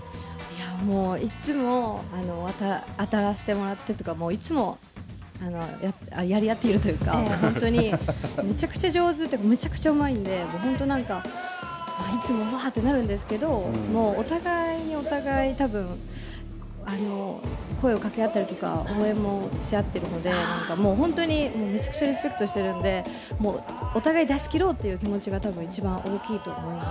もう、いつも当たらせてもらってというか、いつもやり合っているというか、本当にむちゃくちゃ上手というか、むちゃくちゃうまいんで、本当いつも、わあってなるんですけど、もうお互いにお互い、たぶん、声をかけ合ったりとか、応援もし合っているので、もう本当に、むちゃくちゃリスペクトしているので、お互い出し切ろうという気持ちがたぶんいちばん大きいと思います。